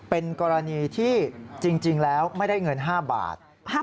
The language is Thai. เป็นกรณีที่จริงแล้วไม่ได้เงิน๕บาท